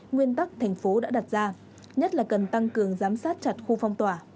nguyên tắc thành phố đã đặt ra nhất là cần tăng cường giám sát chặt khu phong tỏa